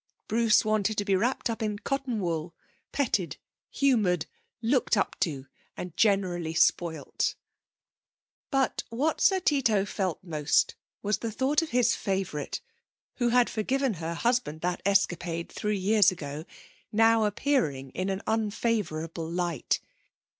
Bruce wanted to be wrapped up in cotton wool, petted, humoured, looked up to and generally spoilt. But what Sir Tito felt most was the thought of his favourite, who had forgiven her husband that escapade three years ago, now appearing in an unfavourable light.